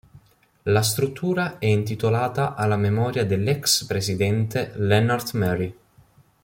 La struttura è intitolata alla memoria dell'ex presidente Lennart Meri.